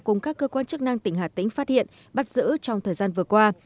cùng các cơ quan chức năng tỉnh hà tĩnh phát hiện bắt giữ trong thời gian vừa qua